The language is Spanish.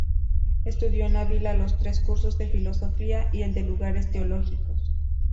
Estudió en Ávila los tres cursos de filosofía y el de lugares teológicos.